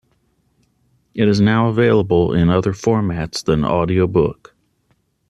It is now available in other formats than audiobook.